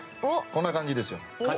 こんな感じです。